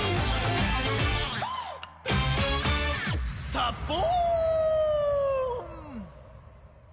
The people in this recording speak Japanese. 「サボーン！」